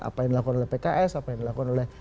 apa yang dilakukan oleh pks apa yang dilakukan oleh